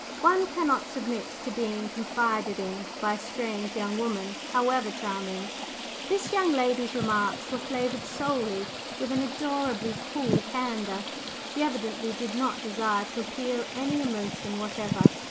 One cannot submit to being 'confided in' by a strange young woman, however charming. This young lady's remarks were flavored solely with an adorably cool candor. She evidently did not desire to appeal to any emotion whatever."